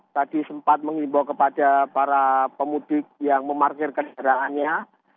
tadi sempat mengimbau kepada para pemudik yang memarkir kendaraannya